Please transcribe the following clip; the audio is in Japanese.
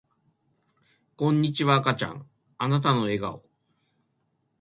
こんにちは赤ちゃんあなたの笑顔